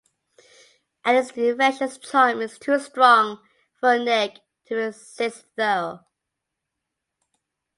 Ali’s infectious charm is too strong for Nick to resist though.